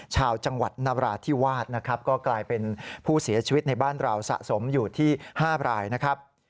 ชาวจังหวัดนราธิวาสนะครับก็กลายเป็นผู้เสียชีวิตในบ้านเราสะสมอยู่ที่๕รายนะครับ